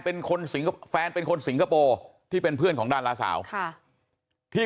เป็นคนสิงคโปร์แฟนเป็นคนสิงคโปร์ที่เป็นเพื่อนของดาราสาวค่ะที่